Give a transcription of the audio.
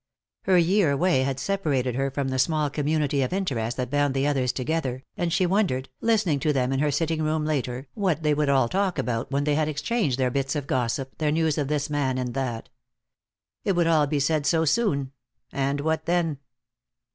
Her year away had separated her from the small community of interest that bound the others together, and she wondered, listening to them in her sitting room later, what they would all talk about when they had exchanged their bits of gossip, their news of this man and that. It would all be said so soon. And what then?